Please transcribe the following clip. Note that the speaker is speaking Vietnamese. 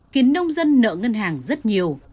khiến nông dân nợ ngân hàng rất nhiều